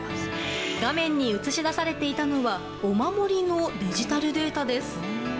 画面に映し出されていたのはお守りのデジタルデータです。